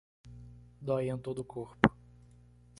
Dói em todo o corpo